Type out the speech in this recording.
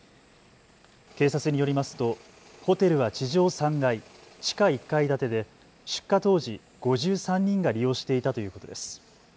警察によりますとホテルは地上３階、地下１階建てで出火当時、５３人が利用していたということです。